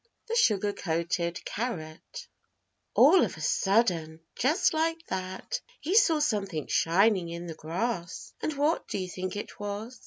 THE SUGAR COATED CARROT ALL of a sudden, just like that, he saw something shining in the grass. And what do you think it was?